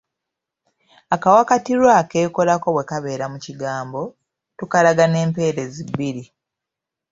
Akawakatirwa akeekolako bwe kabeera mu kigambo, tukalaga n'empeerezi bbiri.